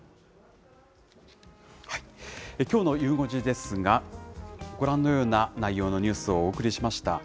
きょうのゆう５時ですが、ご覧のような内容のニュースをお送りしました。